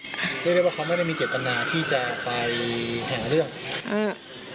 จะเรียกว่าทำไมเขาไม่ได้มีเจ็บตะนาที่จะไปแห่งเรื่อง